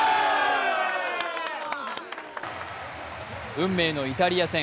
運命のイタリア戦。